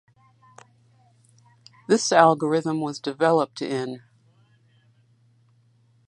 This algorithm was developed in.